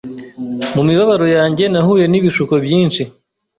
Mu mibabaro yanjye nahuye n’ibishuko byinshi